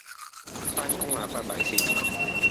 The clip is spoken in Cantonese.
返工喇拜拜先